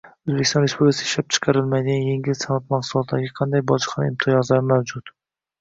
O’zbekiston Respublikasida ishlab chiqarilmaydigan engil sanoat mahsulotlariga qanday bojxona imtiyozlari mavjud?